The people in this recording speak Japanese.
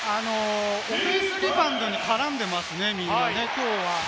オフェンスリバウンドに絡んでますね、みんなね、きょうは。